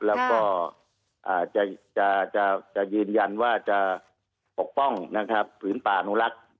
แล้วก็จะยืนยันว่าจะปกป้องผืนป่าอนุรักษ์